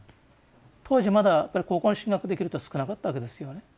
当時まだ高校に進学できる人は少なかったわけですよね。